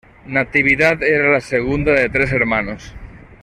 Natividad era la segunda de tres hermanos.